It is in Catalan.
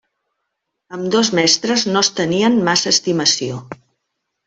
Ambdós mestres no es tenien massa estimació.